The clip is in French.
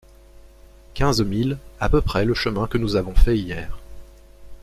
Quinze milles, à peu près le chemin que nous avons fait hier.